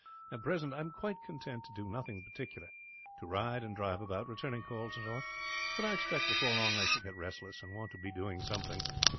At present, I am quite content to do nothing particular to ride and drive about, return calls, and so on but I expect, before very long, I shall get restless, and want to be doing something.